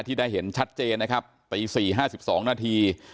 ที่ได้เห็นชัดเจนนะครับตี๔๕๒นาที